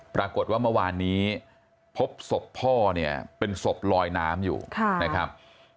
ปรากฏว่าเมื่อวานนี้พบศพพ่อเนี่ยเป็นศพลอยน้ำอยู่นะครับ